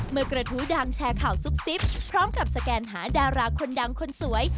กระทู้ดังแชร์ข่าวซุบซิบพร้อมกับสแกนหาดาราคนดังคนสวย